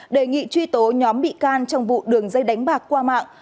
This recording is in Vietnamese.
đề nghị truy tố nhóm bị can trong vụ đường dây đánh bạc qua mạng